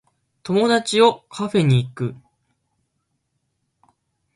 友達をカフェに行く